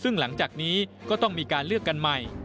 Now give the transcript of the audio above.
ซึ่งหลังจากนี้ก็ต้องมีการเลือกกันใหม่